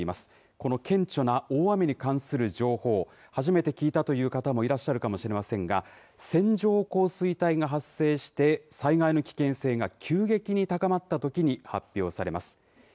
この顕著な大雨に関する情報、初めて聞いたという方もいらっしゃるかもしれませんが、線状降水帯が発生して、災害の危険性が急激に高まったときに発表されます。